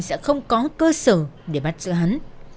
sẽ không có cơ sở để bắt giữ hắn